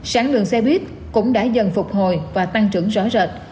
sản lượng xe buýt cũng đã dần phục hồi và tăng trưởng rõ rệt